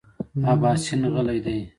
اباسین غلی دی .